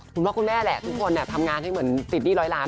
ผมว่าคุณแม่แหละทุกคนทำงานที่เหมือนปิดดีร้อยล้าน